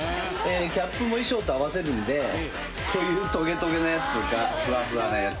キャップも衣装と合わせるんでこういうトゲトゲのやつとかフワフワのやつ。